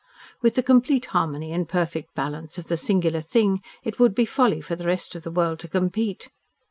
With the complete harmony and perfect balance of the singular thing, it would be folly for the rest of the world to compete.